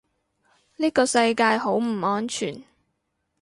呢個世界好唔安全